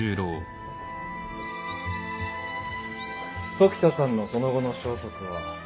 時田さんのその後の消息は。